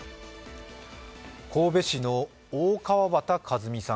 神戸市の大川畑和美さん